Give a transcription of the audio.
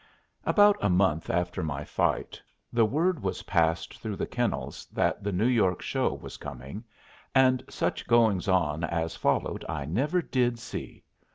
About a month after my fight, the word was passed through the kennels that the New York Show was coming, and such goings on as followed I never did see.